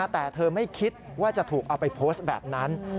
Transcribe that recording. แต่เธอไม่คิดว่าจะถูกเอาไปโพสต์แบบนั้น